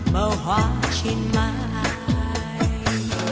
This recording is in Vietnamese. màu hoa trên mái